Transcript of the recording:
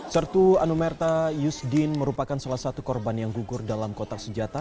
sertu anumerta yusdin merupakan salah satu korban yang gugur dalam kotak senjata